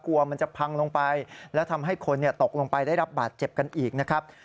กลัวมันจะพังลงไปแล้วทำให้คนตกลงไปได้รับบาดเจ็บกันอีกนะครับ